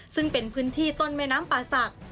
ซึ่งเป็นพื้นที่ต้นแม่น้ำป่าศักดิ์